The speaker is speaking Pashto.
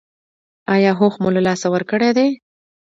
ایا هوښ مو له لاسه ورکړی دی؟